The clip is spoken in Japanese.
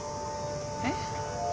えっ？